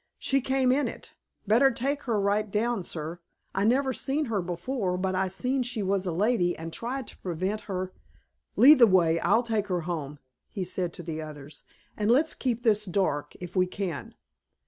"She came in it. Better take her right down, sir. I never seen her before but I seen she was a lady and tried to prevent her " "Lead the way.... I'll take her home," he said to the others. "And let's keep this dark if we can."